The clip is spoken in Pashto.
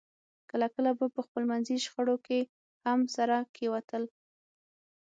کله کله به په خپلمنځي شخړو کې هم سره کېوتل